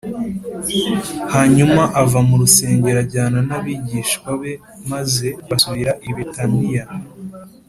hanyuma ava mu rusengero ajyana n’abigishwa be, maze basubira i betaniya